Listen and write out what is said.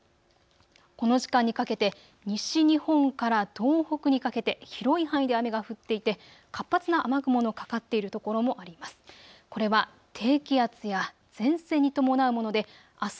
この時間にかけて西日本から東北にかけて広い範囲で雨が降っていて活発な雨雲のかかっているところもあります。